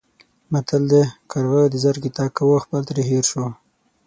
متل دی: کارغه د زرکې تګ کاوه خپل ترې هېر شو.